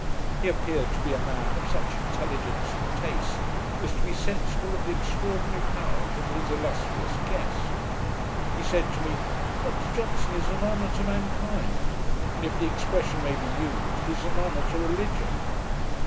He appeared to be a man of such intelligence and taste as to be sensible of the extraordinary powers of his illustrious guest. He said to me, 'Dr Johnson is an honour to mankind; and, if the expression may be used, is an honour to religion.'